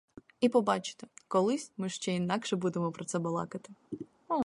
І побачите, колись ми ще інакше будемо про це балакати.